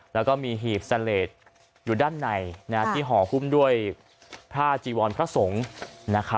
แล้วก็มีหีบเสลดอยู่ด้านในที่ห่อหุ้มด้วยผ้าจีวรพระสงฆ์